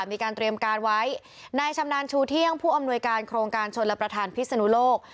มีการเตรียมการไว้นายชำนาญชูเที่ยงผู้อำนวยการโครงการชนรับประทานพิศนุโลก